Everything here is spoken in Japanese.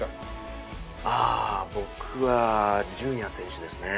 ああ僕は純也選手ですね。